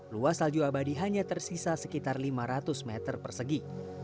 luas salju abadi hanya tersisa sekitar lima ratus meter persegi